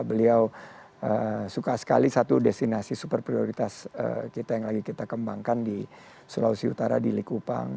beliau suka sekali satu destinasi super prioritas kita yang lagi kita kembangkan di sulawesi utara di likupang